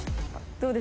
どう？